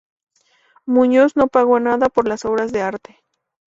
Muñoz no pagó nada por las obras de arte.